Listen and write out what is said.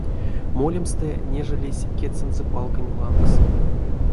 Молемстэ нежелесь кедьсэнзэ палканть лангс.